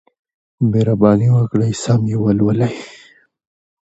مهرباني وکړئ سم یې ولولئ.